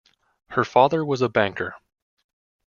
Her father was a banker.